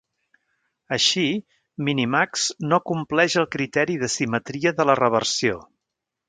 Així, Minimax no compleix el criteri de simetria de la reversió.